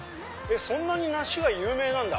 そんなに梨が有名なんだ。